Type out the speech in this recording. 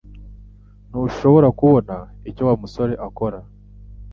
Ntushobora kubona icyo Wa musore akora?